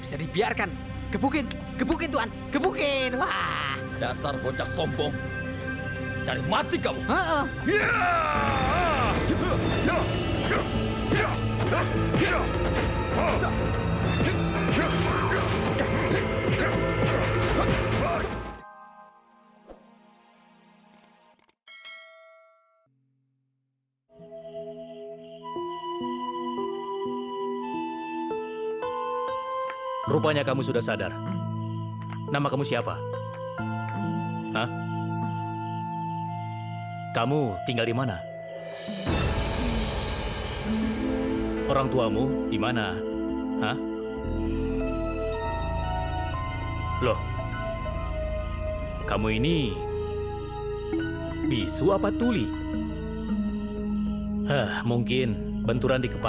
sampai jumpa di video selanjutnya